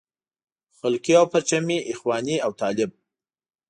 خلقي او پرچمي اخواني او طالب.